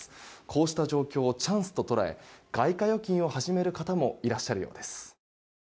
こうした状況をチャンスと捉え外貨預金を始める方もいらっしゃるようです。